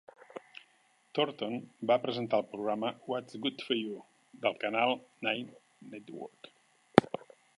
Thornton va presentar el programa "Whats' Good For You" del canal Nine Network.